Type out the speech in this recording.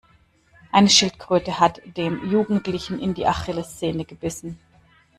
Eine Schildkröte hat dem Jugendlichen in die Achillessehne gebissen.